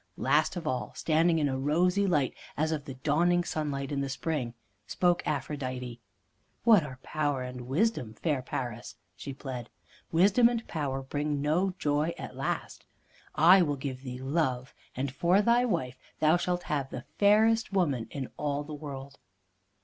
Last of all, standing in a rosy light, as of the dawning sunlight in the spring, spoke Aphrodite. "What are Power and Wisdom, fair Paris?" she pled. "Wisdom and Power bring no joy at last. I will give thee Love, and for thy wife thou shalt have the fairest woman in all the world."